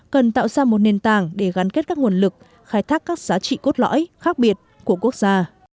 cần tạo ra một nền tảng để gắn kết các nguồn lực khai thác các giá trị cốt lõi khác biệt của quốc gia